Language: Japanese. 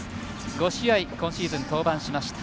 ５試合、今シーズン登板しました。